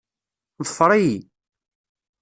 Ḍfer-iyi.